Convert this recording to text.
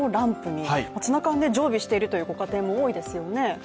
ツナ缶、常備しているというご家庭も多いですよね。